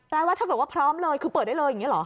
ว่าถ้าเกิดว่าพร้อมเลยคือเปิดได้เลยอย่างนี้เหรอ